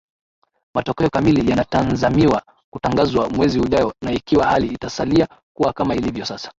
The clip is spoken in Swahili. matokeo kamili yanatanzamiwa kutangazwa mwezi ujao na ikiwa hali itasalia kuwa kama ilivyo sasa